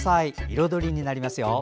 彩りになりますよ。